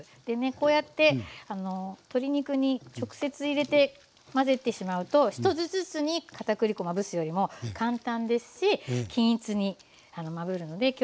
でねこうやって鶏肉に直接入れて混ぜてしまうと１つずつにかたくり粉まぶすよりも簡単ですし均一にまぶるので。